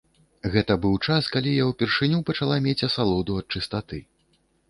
Гэта быў час, калі я ўпершыню пачала мець асалоду ад чыстаты.